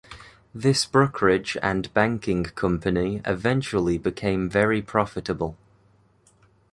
This brokerage and banking company eventually became very profitable.